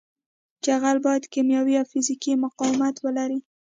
جغل باید کیمیاوي او فزیکي مقاومت ولري